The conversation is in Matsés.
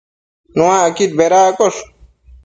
Nuacquid bedaccosh